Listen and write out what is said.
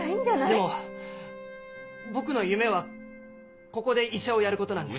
でも僕の夢はここで医者をやることなんです。